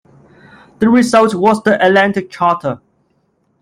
The result was the Atlantic Charter.